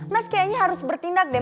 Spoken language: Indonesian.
mas kayaknya harus bertindak deh